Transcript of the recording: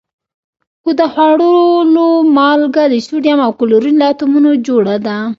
هو د خوړلو مالګه د سوډیم او کلورین له اتومونو جوړه ده